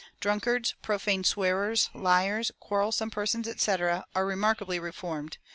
Drunkards, profane swearers, liars, quarrelsome persons, etc., are remarkably reformed....